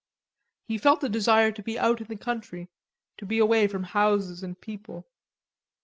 He felt a desire to be out in the country, to be away from houses and people.